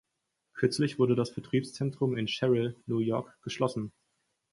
Kürzlich wurde das Vertriebszentrum in Sherrill, New York, geschlossen.